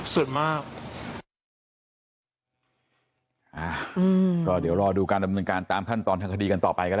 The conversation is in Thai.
ส่วนมาก